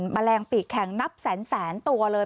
แมลงปีกแข็งนับแสนตัวเลย